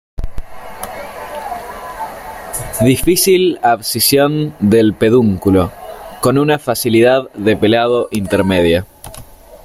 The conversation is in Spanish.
Difícil abscisión del pedúnculo, con una facilidad de pelado intermedia.